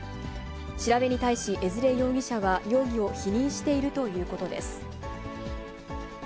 調べに対し江連容疑者は容疑を否認しているということです。